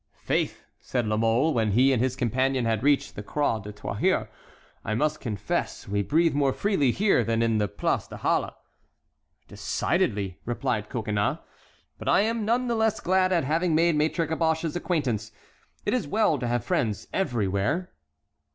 "Faith!" said La Mole, when he and his companion had reached the Croix du Trahoir, "I must confess we breathe more freely here than in the Place des Halles." "Decidedly," replied Coconnas; "but I am none the less glad at having made Maître Caboche's acquaintance. It is well to have friends everywhere."